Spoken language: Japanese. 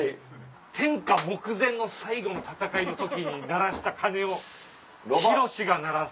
天下目前の最後の戦いの時に鳴らした鐘を博が鳴らす。